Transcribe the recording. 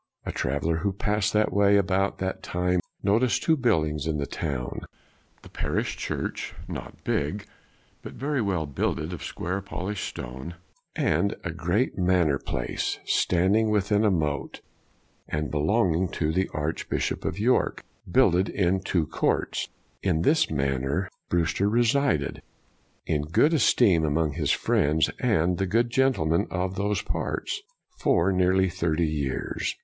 A traveler who passed that way about that time no ticed two buildings in the town: " the parish church, not big, but very well builded of square polished stone,' 1 and " a great manor place, standing within a moat, and belonging to the Archbishop of York, builded in two courts.' 1 In this manor, Brewster resided, " in good esteem among his friends and the good gentlemen of those parts," for nearly thirty years.